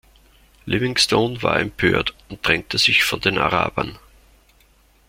Livingstone war empört und trennte sich von den Arabern.